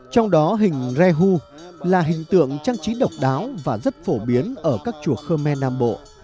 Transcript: trong đó hình rehu là hình tượng trang trí độc đáo và rất phổ biến ở các chùa khơ me nam bộ